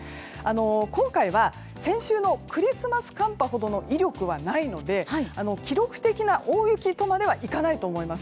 今回は先週のクリスマス寒波ほどの威力はないので記録的な大雪とまではいかないと思います。